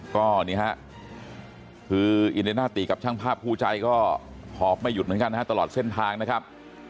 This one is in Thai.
ก็นี่ฮะคืออินเนนาติกับช่างภาพคู่ใจก็หอบไม่หยุดเหมือนกันนะฮะตลอดเส้นทางนะครับ